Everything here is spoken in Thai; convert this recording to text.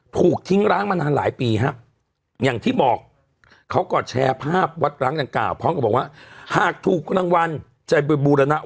ถูกทิ้งล้างมานานหลายปี